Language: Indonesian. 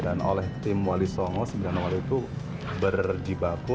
dan oleh tim wali songo sembilan wali itu berjibaku